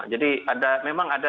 jadi memang ada